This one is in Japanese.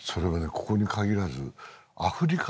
ここに限らずアフリカでもね